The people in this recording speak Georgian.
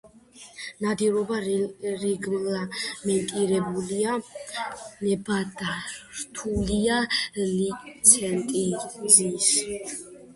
ნადირობა რეგლამენტირებულია, ნებადართულია ლიცენზიით.